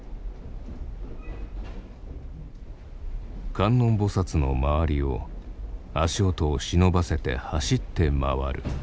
観音菩の周りを足音を忍ばせて走って回る。